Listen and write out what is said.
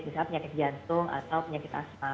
misalnya penyakit jantung atau penyakit asma